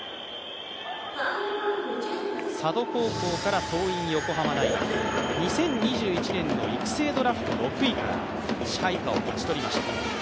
佐渡高校から桐蔭横浜大学、２０２１年の育成ドラフト６位から支配下を勝ち取りました。